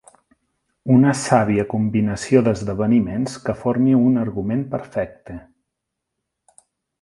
Una sàvia combinació d'esdeveniments que formi un argument perfecte.